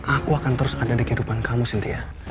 aku akan terus ada di kehidupan kamu sinti ya